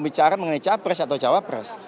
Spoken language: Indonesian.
pembicaraan mengenai capres atau capra pres